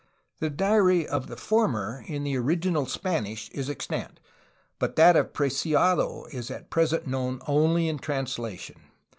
The diary of the former in the original Span ish is extant, but that of Preciado is at present known only in translation.